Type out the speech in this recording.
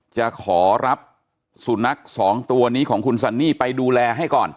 จะขอรับสุนัขสองตัวนี้ของคุณซันนี่ไปดูแลให้ก่อน